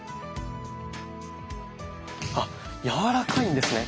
あっやわらかいんですね。